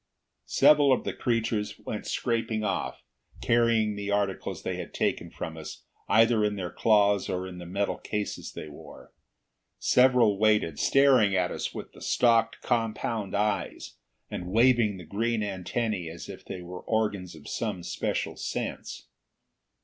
Several of the creatures went scraping off, carrying the articles they had taken from us either in their claws or in the metal cases they wore. Several waited, staring at us with the stalked compound eyes, and waving the green antennae as if they were organs of some special sense.